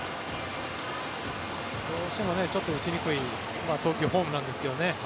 どうしてもちょっと打ちにくい投球フォームなんですけどね。